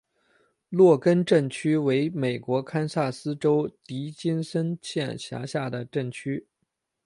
洛根镇区为美国堪萨斯州迪金森县辖下的镇区。